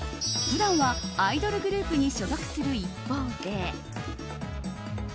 普段はアイドルグループに所属する一方で。